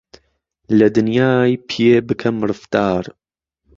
له دنیای پیێ بکەم رفتار